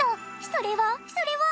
それはそれは！